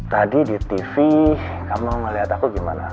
tadi di tv kamu melihat aku gimana